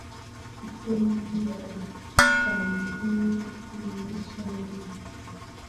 Sipendi kupangiwa maisha yangu.